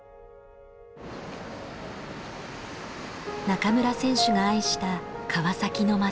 中村選手が愛した川崎の街。